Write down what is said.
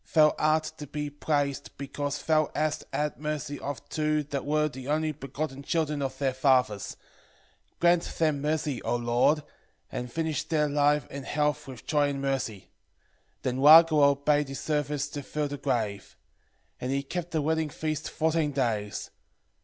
8:17 Thou art to be praised because thou hast had mercy of two that were the only begotten children of their fathers: grant them mercy, O Lord, and finish their life in health with joy and mercy. 8:18 Then Raguel bade his servants to fill the grave. 8:19 And he kept the wedding feast fourteen days.